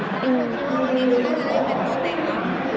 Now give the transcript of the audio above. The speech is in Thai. แล้วก็ถ้าเข้ามานี่ก็จะได้เป็นตัวแต่งงาน